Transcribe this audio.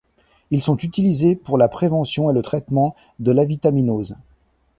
Ils sont utilisés pour la prévention et le traitement de l'avitaminose.